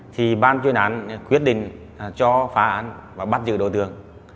thì bàn truyền án quyết định cho phá án và bắt giữ đối tượng